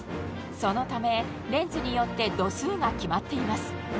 そのためレンズによって度数が決まっています